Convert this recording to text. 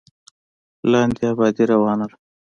لاندې ابادي روانه ده.